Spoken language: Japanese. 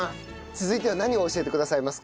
続いては何を教えてくださいますか？